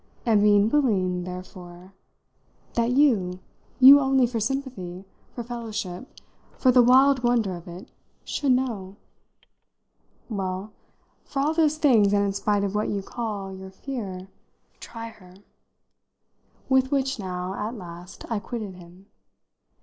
"And being willing, therefore " "That you you only, for sympathy, for fellowship, for the wild wonder of it should know? Well, for all those things, and in spite of what you call your fear, try her!" With which now at last I quitted him.